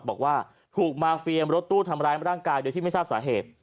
บอกว่าถูกมาเฟียมรถตู้ทำร้ายร่างกายโดยที่ไม่ทราบสาเหตุ